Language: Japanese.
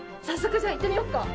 早速じゃあ行ってみようか。